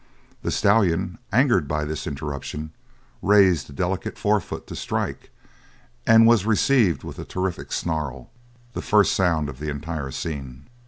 The stallion, angered by this interruption, raised a delicate forefoot to strike, and was received with a terrific snarl the first sound of the entire scene.